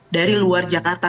dari luar jakarta